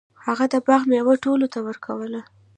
هغه د باغ میوه ټولو ته ورکوله.